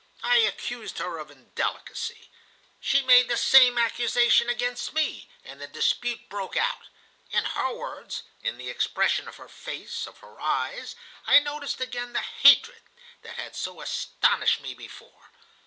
I accused her of indelicacy. She made the same accusation against me, and the dispute broke out. In her words, in the expression of her face, of her eyes, I noticed again the hatred that had so astonished me before.